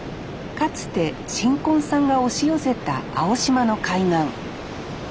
かつて新婚さんが押し寄せた青島の海岸。